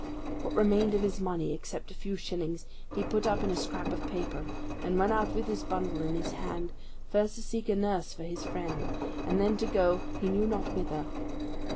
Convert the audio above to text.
What remained of his money, except a few shillings, he put up in a scrap of paper, and went out with his bundle in his hand, first to seek a nurse for his friend, and then to go he knew not whither.